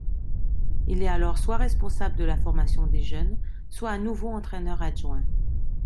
Il est alors soit responsable de la formation des jeunes, soit à nouveau entraîneur-adjoint.